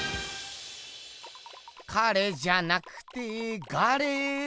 彼じゃなくてガレ。